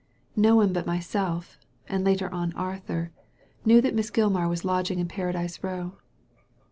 No one but myself— and later on Arthur — ^knew that Miss Gilmar was lodging in Paradise Row.